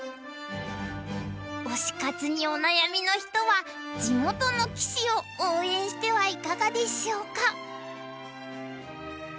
推し活にお悩みの人は地元の棋士を応援してはいかがでしょうか？